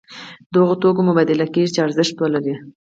د هغو توکو مبادله کیږي چې ارزښت ولري.